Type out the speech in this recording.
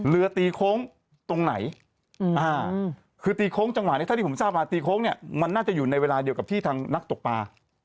เรือตีโค้งตรงไหนคือตีโค้งจังหวะนี้เท่าที่ผมทราบมาตีโค้งเนี่ยมันน่าจะอยู่ในเวลาเดียวกับที่ทางนักตกปลา